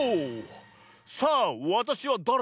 さあわたしはだれだっけ？